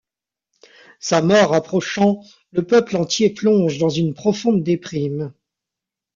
Sa mort approchant le peuple entier plonge dans une profonde déprime.